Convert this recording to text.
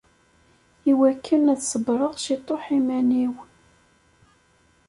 I wakken ad sebbreɣ ciṭuḥ iman-iw.